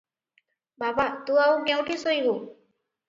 "ବାବା, ତୁ ଆଉ କେଉଁଠି ଶୋଇବୁ?